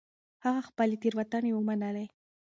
هغه خپلې تېروتنې ومنلې.